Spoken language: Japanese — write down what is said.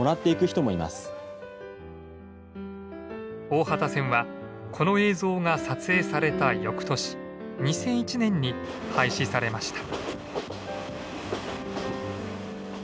大畑線はこの映像が撮影されたよくとし２００１年に廃止されました。